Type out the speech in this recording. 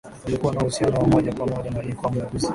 waliokuwa na uhusiano wa moja kwa moja na aliyekuwa mlanguzi